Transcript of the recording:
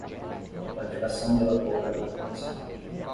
Qualificação de lavoura não convencional